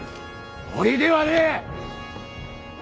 堀ではねえ！